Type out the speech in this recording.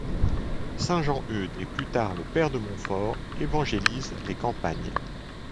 Saint Jean Eudes et plus tard le Père de Montfort évangélisent les campagnes.